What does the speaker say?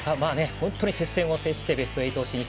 本当に接戦を制してベスト８進出。